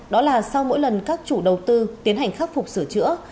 đó là sau mỗi lần các chủ đầu tư tiến hành khắc phục sửa chữa